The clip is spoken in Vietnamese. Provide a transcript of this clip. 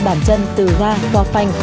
bàn chân từ ga qua phanh